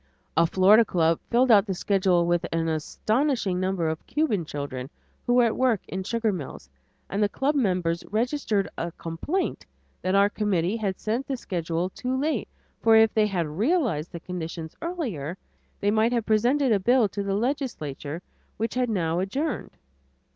A Florida club filled out the schedule with an astonishing number of Cuban children who were at work in sugar mills, and the club members registered a complaint that our committee had sent the schedule too late, for if they had realized the conditions earlier, they might have presented a bill to the legislature which had now adjourned.